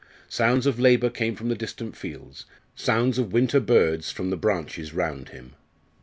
Sounds of labour came from the distant fields; sounds of winter birds from the branches round him.